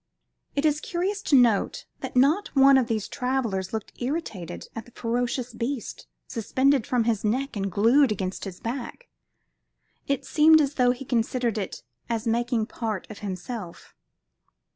It is curious to note that not one of these travelers looked irritated at the ferocious beast suspended from his neck and glued against his back; it seemed as though he considered it as making part of himself.